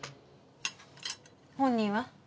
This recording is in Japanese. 本人は？